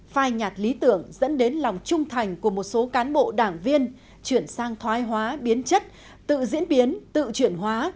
phai nhạt lý tưởng dẫn đến lòng trung thành của một số cán bộ đảng viên chuyển sang thoái hóa biến chất tự diễn biến tự chuyển hóa